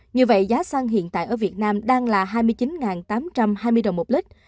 như vậy giá xăng hiện tại ở việt nam đang là hai mươi chín tám trăm hai mươi đồng một lít